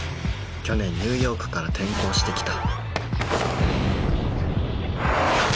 去年ニューヨークから転校してきた